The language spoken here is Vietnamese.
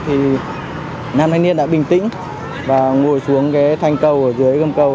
thì nam linh điên đã bình tĩnh và ngồi xuống cái thành cầu ở dưới cầm cầu